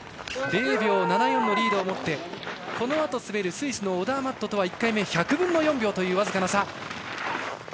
０秒７４のリードを持ってこのあと滑るスイスのオダーマットとは１回目、１００分の４秒という僅かの差。